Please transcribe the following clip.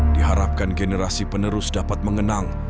diharapkan generasi penerus dapat mengenang